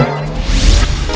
udah balik aja balik